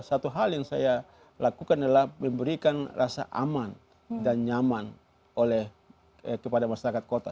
satu hal yang saya lakukan adalah memberikan rasa aman dan nyaman kepada masyarakat kota